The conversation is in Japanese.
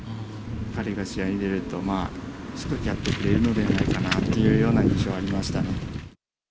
彼が試合に出ると、やってくれるのではないかなというような印象はありましたね。